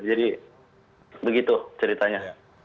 jadi begitu ceritanya